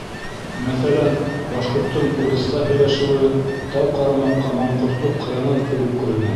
Мәҫәлән, башҡорттоң урыҫса һөйләшеүе, тәү ҡарамаҡҡа, маңҡортлоҡ, хыянат кеүек күренә.